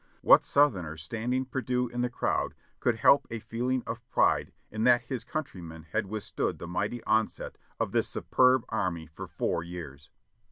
What Southerner standing perdu in the crowd could help a feeling of pride in that his countrymen had withstood the mighty onset of this superb army for four years?